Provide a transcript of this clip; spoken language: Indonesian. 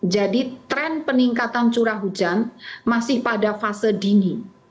jadi tren peningkatan curah hujan masih pada fase dini